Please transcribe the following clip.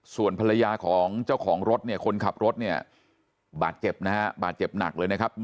ส่วนภรรยาของเจ้าของรถเนี่ยคนขับรถเนี่ยบาดเจ็บนะฮะบาดเจ็บหนักเลยนะครับ